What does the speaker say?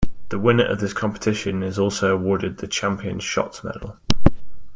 The winner of this competition is also awarded the Champion Shots Medal.